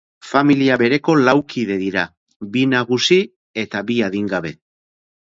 Familia bereko lau kide dira, bi nagusi eta bi adingabe.